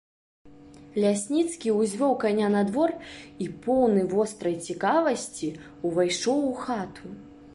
Лясніцкі ўзвёў каня на двор і, поўны вострай цікавасці, увайшоў у хату.